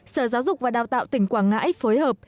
sở giáo dục và đào tạo tỉnh quảng ngãi phối hợp